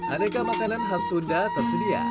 aneka makanan khas sunda tersedia